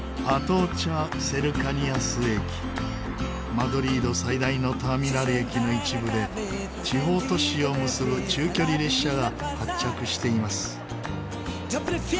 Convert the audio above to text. マドリード最大のターミナル駅の一部で地方都市を結ぶ中距離列車が発着しています。